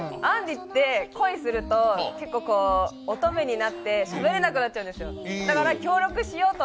あんりって恋すると結構乙女になってしゃべれなくなっちゃうんですよ。